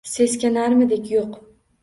Seskanarmidik? Yo‘q!